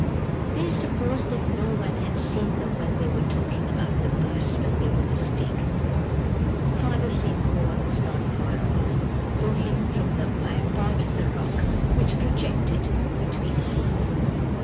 "They supposed that no one had seen them when they were talking about the purse, but they were mistaken; Father St. Goar was not far off, though hidden from them by a part of the rock which projected between them.